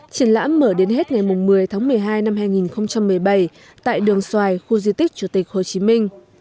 triển lãm mở đến hết ngày một mươi tháng một mươi hai năm hai nghìn một mươi bảy tại đường xoài khu di tích chủ tịch hồ chí minh